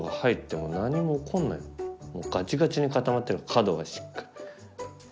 もうガチガチに固まってる角がしっかり。